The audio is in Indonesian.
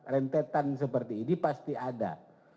rentetan seperti ini pasti ada